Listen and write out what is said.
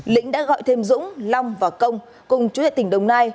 lĩnh đã gọi thêm dũng long và công cùng chủ đề tỉnh đồng nai